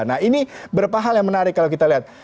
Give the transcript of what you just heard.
nah ini beberapa hal yang menarik kalau kita lihat